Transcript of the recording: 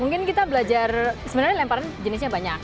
mungkin kita belajar sebenarnya lemparan jenisnya banyak